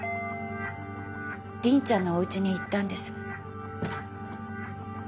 凛ちゃんのお家に行ったんです。